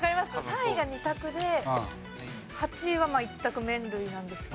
３位が２択で８位は１択麺類なんですけど。